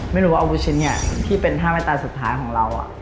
ไม่รู้ว่าอาวุธชิ้นนี้ที่เป็นท่าไม่ตาสุดท้ายของเรา